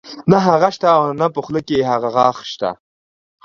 نۀ هغه شته نۀ پۀ خولۀ کښې هغه غاخ شته